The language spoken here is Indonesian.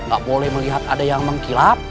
gak boleh melihat ada yang mengkilap